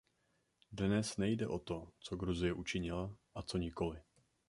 Dnes nejde o to, co Gruzie učinila, a co nikoli.